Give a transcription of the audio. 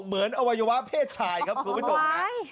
อวัยวะเพศชายครับคุณผู้ชมฮะ